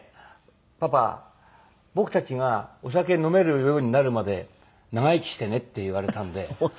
「パパ僕たちがお酒飲めるようになるまで長生きしてね」って言われたんで「わかった」っていうんでね。